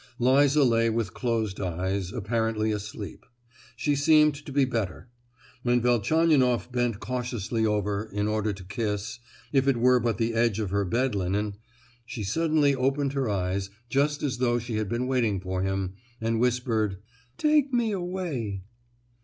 Liza lay with closed eyes, apparently asleep; she seemed to be better. When Velchaninoff bent cautiously over her in order to kiss—if it were but the edge of her bed linen—she suddenly opened her eyes, just as though she had been waiting for him, and whispered, "Take me away!"